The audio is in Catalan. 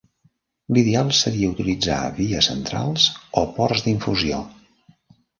L'ideal seria utilitzar vies centrals o ports d'infusió.